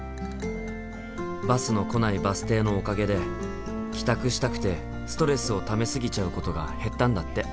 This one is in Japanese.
バスの来ないバス停のおかげで帰宅したくてストレスをため過ぎちゃうことが減ったんだって。